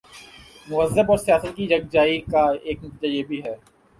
مذہب اور سیاست کی یک جائی کا ایک نتیجہ یہ بھی ہے۔